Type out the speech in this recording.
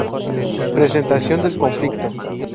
Presentación del conflicto.